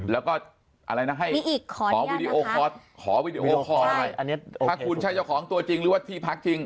แล้วก็อะไรนะขอวิดีโอคอร์อะไรถ้าคุณใช่เจ้าของตัวจริงหรือว่าที่พักจริง